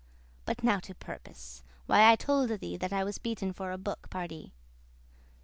But now to purpose, why I tolde thee That I was beaten for a book, pardie.